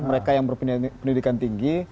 mereka yang berpendidikan tinggi